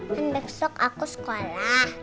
kan besok aku sekolah